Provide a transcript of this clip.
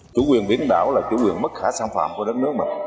chủ quyền biển đảo là chủ quyền mất khả sản phạm của đất nước